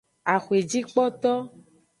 Axwejikpoto.